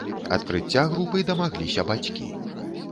Адкрыцця групы дамагліся бацькі.